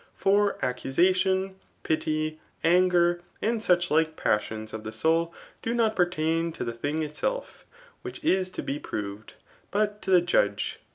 For accusation, pity, anger, and such like passions^ of die soul, do not pertain to the thing itself [which is to be proved,} but to the judge.